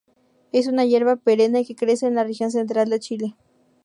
Es una hierba perenne que crece en la región central de Chile.